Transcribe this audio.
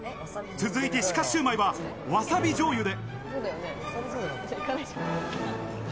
続いて鹿シューマイは、わさびじょうゆで。